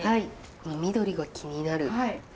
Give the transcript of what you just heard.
この緑が気になる。